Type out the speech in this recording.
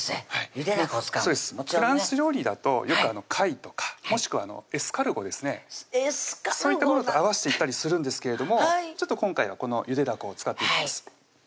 ゆでだこを使うフランス料理だとよく貝とかもしくはエスカルゴですねそういったものと合わしていったりするんですけれどもちょっと今回はこのゆでだこを使っていきます